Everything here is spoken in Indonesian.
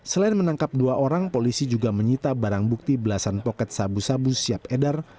selain menangkap dua orang polisi juga menyita barang bukti belasan poket sabu sabu siap edar